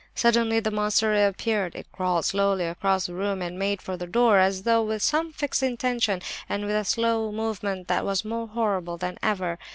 "Suddenly the monster reappeared; it crawled slowly across the room and made for the door, as though with some fixed intention, and with a slow movement that was more horrible than ever.